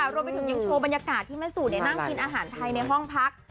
รวมไปถึงยังโชว์บรรยากาศที่แม่สู่นั่งกินอาหารไทยในห้องพัก